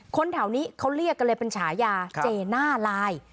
แถวนี้เขาเรียกกันเลยเป็นฉายาเจน่าลาย